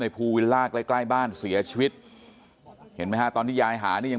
ภูวิลล่าใกล้ใกล้บ้านเสียชีวิตเห็นไหมฮะตอนที่ยายหานี่ยัง